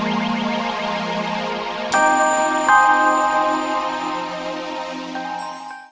kau tidak punya pilihan baik